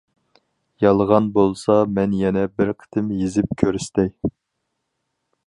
يالغان بولسا مەن يەنە بىر قېتىم يېزىپ كۆرسىتەي.